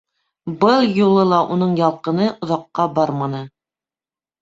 Был юлы ла уның ялҡыны оҙаҡҡа барманы.